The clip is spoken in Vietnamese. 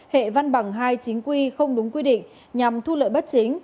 hệ văn bằng hai chính quy không đúng quy định nhằm thu lợi bất chính